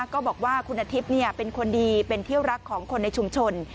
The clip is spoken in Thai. ก็บอกว่าคุณอาทิตย์เป็นคนดีเป็นเที่ยวรักของคนในชุมชน